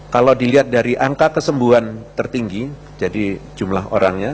kalau dilihat dari angka kesembuhan tertinggi jadi jumlah orangnya